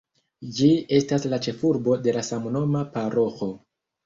Ĝi estas la ĉefurbo de samnoma paroĥo.